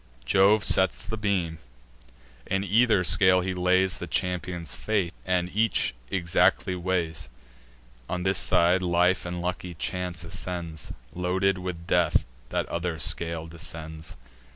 Jove sets the beam; in either scale he lays The champions' fate, and each exactly weighs. On this side, life and lucky chance ascends; Loaded with death, that other scale descends.